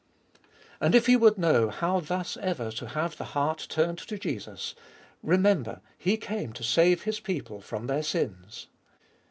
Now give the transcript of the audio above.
And if you would know how thus ever to have the heart turned to Jesus, remember, He came to save His people from their sins.